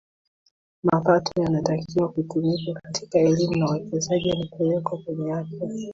mapato yanatakiwa kutumika katika elimu na uwekezaji yanapelekwa kwenye afya